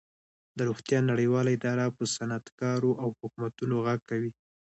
د روغتیا نړیواله اداره په صنعتکارو او حکومتونو غږ کوي